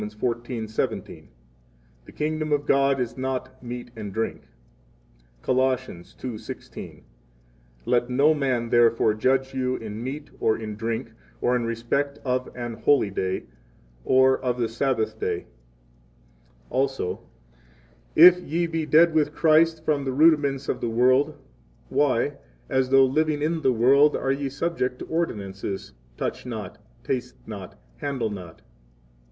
14:17: 24 The kingdom of God is not meat and drink. 25 Col. 2:16: Let no man, therefore, judge you in meat, or in drink, or in respect of an holy day, or of the Sabbath day; also: If 26 ye be dead with Christ from the rudiments of the world, why, as though living in the world, are ye subject to ordinances: Touch not, taste not, handle not!